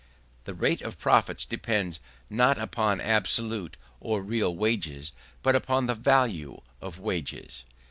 The rate of profits depends not upon absolute or real wages, but upon the value of wages.